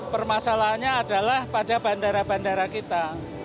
permasalahannya adalah pada bandara bandara kita